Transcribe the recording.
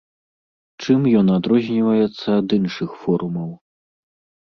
Чым ён адрозніваецца ад іншых форумаў?